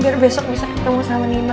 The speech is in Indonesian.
biar besok bisa ketemu sama nino ya